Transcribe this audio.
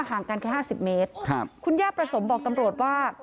ห่างกันแค่ห้าสิบเมตรครับคุณย่าประสมบอกตำรวจว่า